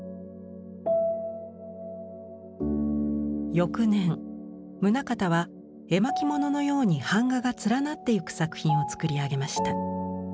翌年棟方は絵巻物のように板画が連なっていく作品をつくり上げました。